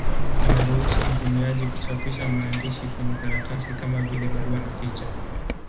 Inaruhusu mtumiaji kuchapisha maandishi kwenye karatasi, kama vile barua na picha.